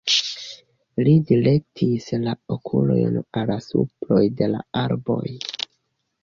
Li direktis la okulojn al la suproj de la arboj.